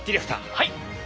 はい。